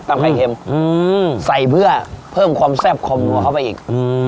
ตำไข่เค็มอืมใส่เพื่อเพิ่มความแซ่บคมมัวเข้าไปอีกอืม